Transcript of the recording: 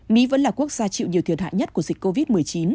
mỹ vẫn là quốc gia chịu nhiều thiệt hại nhất của dịch covid một mươi chín